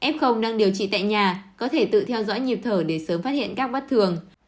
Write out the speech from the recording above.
f đang điều trị tại nhà có thể tự theo dõi nhịp thở để sớm phát hiện các bất thường